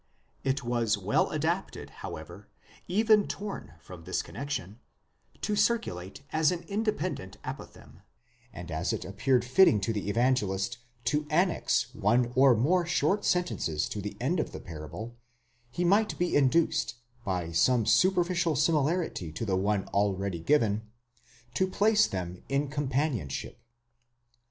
It was well adapted, however, even torn from this connexion, to circulate as an independent apothegm, and as it appeared fitting to the Evangelist to annex one or more short sentences to the end of a parable, he might be induced, by some superficial similarity to the one already given, to place them in companionship.